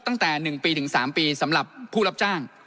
ตั้งแต่๑ปีถึง๓ปีสำหรับผู้รับจ้าง